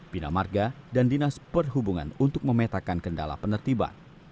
binamarga dan dinas perhubungan untuk memetakan kendala penertiban